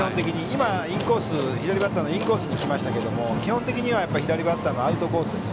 今、左バッターのインコースに来ましたけども基本的には左バッターのアウトコース。